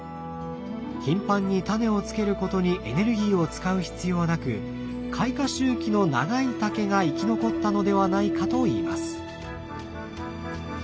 頻繁にタネをつけることにエネルギーを使う必要はなく開花周期の長い竹が生き残ったのではないかといいます。